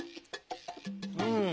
うん。